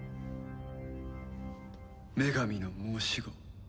女神の申し子